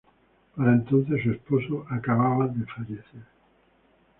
Para entonces su esposo acabada de fallecer.